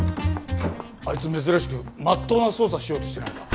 あいつ珍しく真っ当な捜査しようとしてないか？